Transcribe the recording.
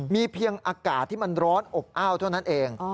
มีเพียงอากาศที่มันร้อนอบอ้าวเท่านั้นเอง